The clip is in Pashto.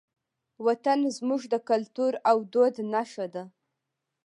وطن زموږ د کلتور او دود نښه ده.